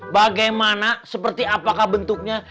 bagaimana seperti apakah bentuknya